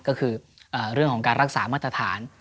ก็คือเรื่องของการรักษามาตรฐาน